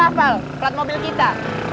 lo hafal pelat mobil kita